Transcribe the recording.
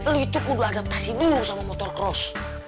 lo itu kudu adaptasi dulu sama motocross